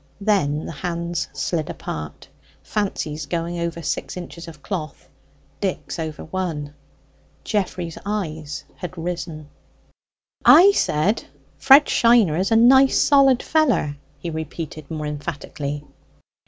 Then the hands slid apart; Fancy's going over six inches of cloth, Dick's over one. Geoffrey's eye had risen. "I said Fred Shiner is a nice solid feller," he repeated, more emphatically.